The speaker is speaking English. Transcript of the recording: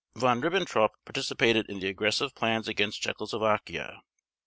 Von Ribbentrop participated in the aggressive plans against Czechoslovakia.